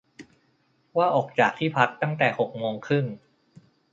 ว่าออกจากที่พักตั้งแต่หกโมงครึ่ง